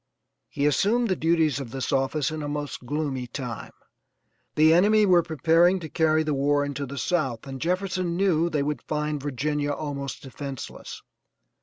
He assumed the duties of this office in a most gloomy time. The enemy were preparing to carry the war into the South, and Jefferson knew they would find Virginia almost defenseless.